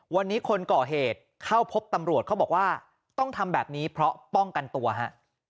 วันนี้คนก่อเหตุเข้าพบตำรวจเขาบอกว่าต้องทำแบบนี้เพราะป้องกันตัวฮะ